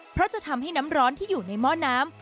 เพราะจะทำให้น้ำร้อนที่อยู่ในหม้อน้ำ